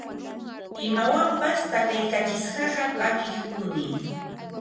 imawanpas takaykachisqaqa pakiqpuni